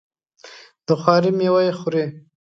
د خواري میوه یې خوري.